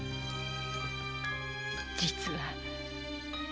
実は。